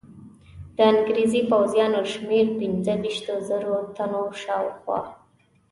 د انګرېزي پوځیانو شمېر پنځه ویشتو زرو تنو په شاوخوا.